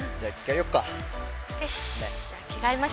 よし！